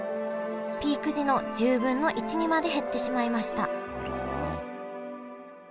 ピーク時の１０分の１にまで減ってしまいましたあら。